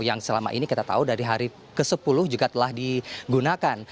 yang selama ini kita tahu dari hari ke sepuluh juga telah digunakan